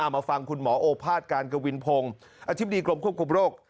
มาฟังคุณหมอโอภาษการกวินพงศ์อธิบดีกรมควบคุมโรค